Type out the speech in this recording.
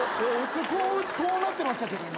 こうなってましたけど今。